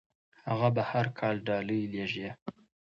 هغه به هر کال ډالۍ لیږي.